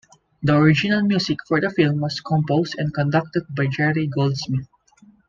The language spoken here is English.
The original music for the film was composed and conducted by Jerry Goldsmith.